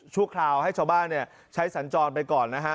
ช่วงคราวให้ชาวบ้านเนี่ยใช้สัญจรไปก่อนนะฮะ